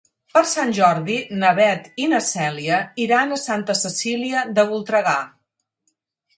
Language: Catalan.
Per Sant Jordi na Beth i na Cèlia iran a Santa Cecília de Voltregà.